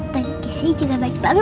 kayak disini juga baik banget